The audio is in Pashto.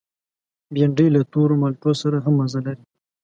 بېنډۍ له تور مالټو سره هم مزه لري